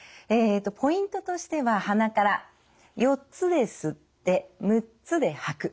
ポイントとしては鼻から４つで吸って６つで吐く。